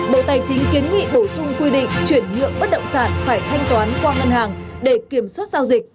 bộ tài chính kiến nghị bổ sung quy định chuyển nhượng bất động sản phải thanh toán qua ngân hàng để kiểm soát giao dịch